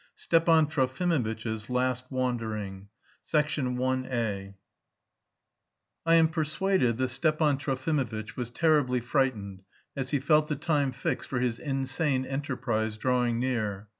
STEPAN TROFIMOVITCH'S LAST WANDERING I I am persuaded that Stepan Trofimovitch was terribly frightened as he felt the time fixed for his insane enterprise drawing near.